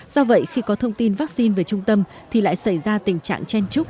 do vậy khi có thông tin vaccine về trung tâm thì lại xảy ra tình trạng chen trúc